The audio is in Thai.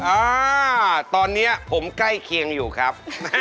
อ่าตอนนี้ผมใกล้เคียงอยู่ครับ